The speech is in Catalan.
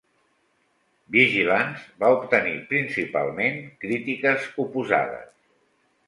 "Vigilance" va obtenir principalment crítiques oposades.